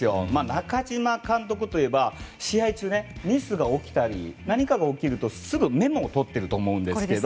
中嶋監督といえば試合中、ミスが起きたり何かが起きるとすぐにメモを取っていると思うんですけど。